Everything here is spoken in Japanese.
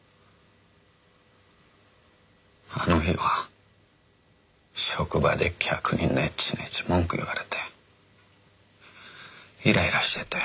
あの日は職場で客にネチネチ文句言われてイライラしてて。